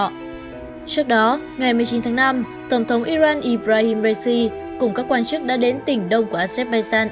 trước đó ngày một mươi chín tháng năm tổng thống iran ibrahim raisi cùng các quan chức đã đến tỉnh đông của azerbaijan